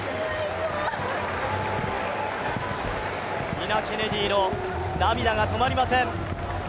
ニナ・ケネディの涙が止まりません。